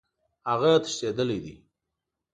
هغه تښتېدلی دی.